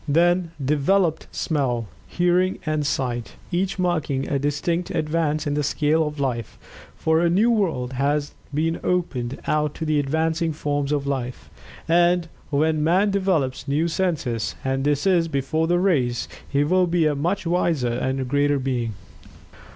Then developed smell, hearing and sight, each marking a distinct advance in the scale of life, for a new world has been opened out to the advancing forms of life. And, when man develops new senses and this is before the race he will be a much wiser and greater being.